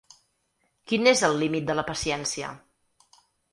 Quin és el límit de la paciència?